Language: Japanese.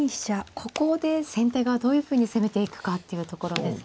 ここで先手がどういうふうに攻めていくかっていうところですね。